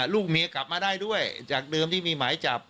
ลูกเมียกลับมาได้ด้วยจากเดิมที่มีหมายจับ